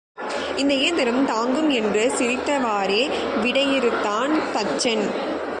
இந்த இயந்திரம் தாங்கும் என்று சிரித்தவாறே விடையிறுத்தான் தச்சன்.